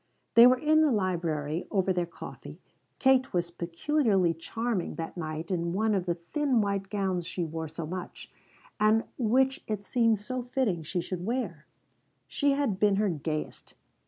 They were in the library over their coffee. Kate was peculiarly charming that night in one of the thin white gowns she wore so much, and which it seemed so fitting she should wear. She had been her gayest.